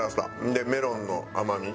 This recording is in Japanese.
でメロンの甘み。